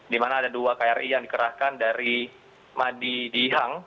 di mana ada dua kri yang dikerahkan dari madi dihang